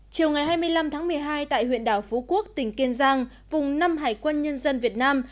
chiều ngày hai mươi năm tháng một mươi hai tại huyện đảo phú quốc tỉnh kiên giang vùng năm hải quân nhân dân việt nam